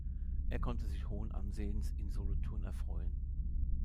Er konnte sich hohen Ansehens in Solothurn erfreuen.